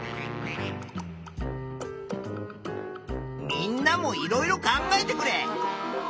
みんなもいろいろ考えてくれ！